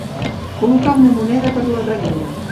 Col·locà una moneda per la ranura.